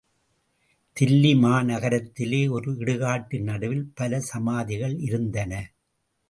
தில்லி மாநகரத்திலே ஒரு இடுகாட்டின் நடுவில் பல சமாதிகள் இருந்தன.